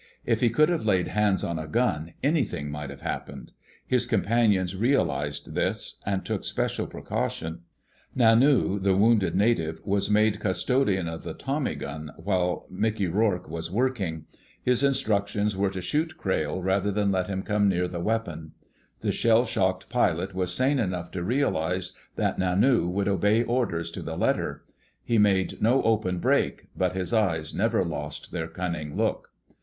If he could have laid hands on a gun, anything might have happened. His companions realized this and took special precautions. Nanu, the wounded native, was made custodian of the tommy gun while Mickey Rourke was working. His instructions were to shoot Crayle rather than let him come near the weapon. The shell shocked pilot was sane enough to realize that Nanu would obey orders to the letter. He made no open break, but his eyes never lost their cunning look.